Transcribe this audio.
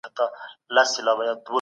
دا نمونه ډېره ښایسته ده.